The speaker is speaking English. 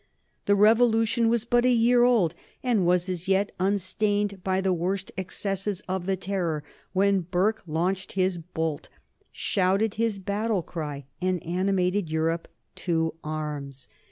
The Revolution was but a year old, and was as yet unstained by the worst excesses of the Terror, when Burke launched his bolt, shouted his battle cry, and animated Europe to arms.